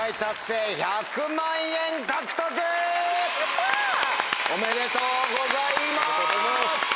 やった！おめでとうございます。